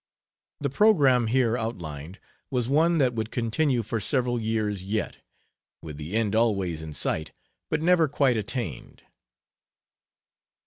The program here outlined was one that would continue for several years yet, with the end always in sight, but never quite attained.